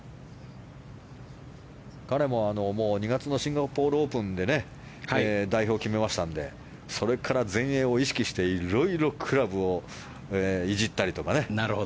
彼も２月のシンガポールオープンで代表を決めましたのでそれから全英を意識していろいろクラブをいじったりとかね。